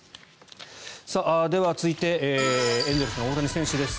では、続いてエンゼルスの大谷選手です。